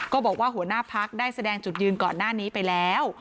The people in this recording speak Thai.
ก็บอกว่าหัวหน้าภักดิ์ได้แสดงจุดยืนก่อนหน้านี้ไปแล้ว